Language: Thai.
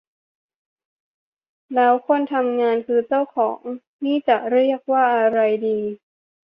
แล้วคนทำงานคือเจ้าของ นี่จะเรียกว่าอะไรดี